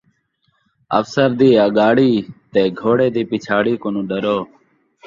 افسر دی اڳاڑی تے گھوڑے دی پچھاڑی کنوں ݙرو